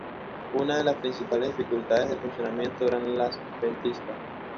Una de las principales dificultades de funcionamiento eran las ventiscas.